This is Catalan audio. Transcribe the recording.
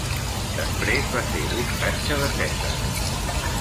Després va ser ostatge de Cèsar.